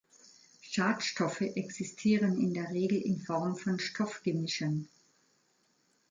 Schadstoffe existieren in der Regel in Form von Stoffgemischen.